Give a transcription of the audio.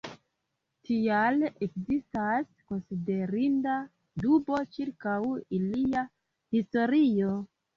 Tial ekzistas konsiderinda dubo ĉirkaŭ ilia historio.